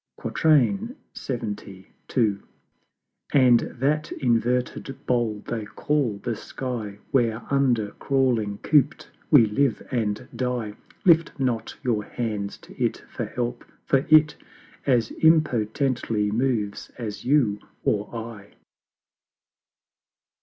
LXXII. And that inverted Bowl they call the Sky, Whereunder crawling coop'd we live and die, Lift not your hands to It for help for It As impotently moves as you or I.